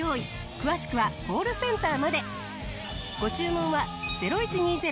詳しくはコールセンターまで。